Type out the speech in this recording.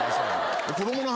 子供の話？